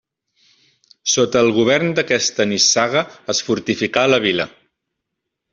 Sota el govern d'aquesta nissaga es fortificà la vila.